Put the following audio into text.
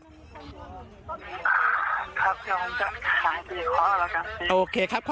ครับจะหาที่ค่อแล้วกัน